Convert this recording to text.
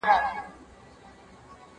هغه وويل چي مکتب مهم دی!